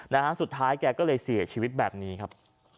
นะฮะสุดท้ายแกก็เลยเสียชีวิตแบบนี้ครับ